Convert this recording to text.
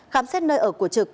khám xét nơi ở của trực